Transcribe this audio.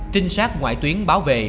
trinh sát ngoại tuyến báo về